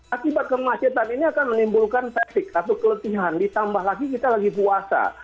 akibat kemacetan ini akan menimbulkan batik atau keletihan ditambah lagi kita lagi puasa